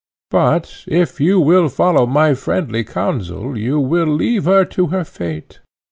But, if you will follow my friendly counsel, you will leave her to her fate.